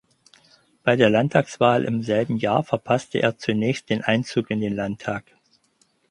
Bei der Landtagswahl im selben Jahr verpasste er zunächst den Einzug in den Landtag.